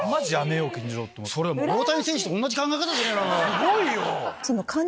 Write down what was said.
すごいよ！